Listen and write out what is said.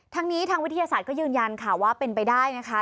ทางนี้ทางวิทยาศาสตร์ก็ยืนยันค่ะว่าเป็นไปได้นะคะ